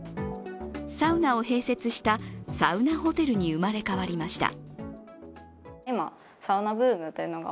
サウナを併設したサウナホテルに生まれ変わりました。